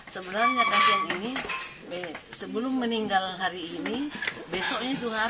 wawancara karena diterima di rumah sakit tangerang